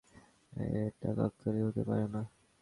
এটা কাকতালীয় হতে পারে না।